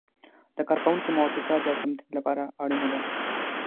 د کارکوونکي موافقه د تمدید لپاره اړینه ده.